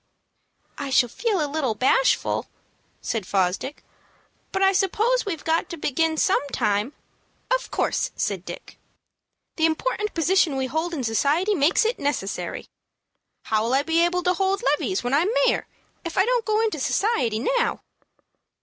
"I shall feel a little bashful," said Fosdick; "but I suppose we've got to begin some time." "Of course," said Dick. "The important position we hold in society makes it necessary. How'll I be able to hold levees when I'm mayor, if I don't go into society now?"